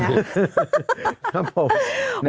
ครับผม